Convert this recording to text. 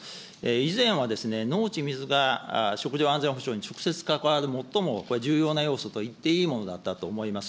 以前は、農地・水が食料安全保障に直接関わる最もこれ、重要な要素といっていいものだったと思います。